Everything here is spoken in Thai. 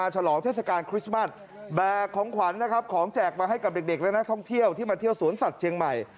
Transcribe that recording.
ฉลองเทศกาลคริสต์มัสแบกของขวัญนะครับของแจกมาให้กับเด็กและนักท่องเที่ยวที่มาเที่ยวสวนสัตว์เชียงใหม่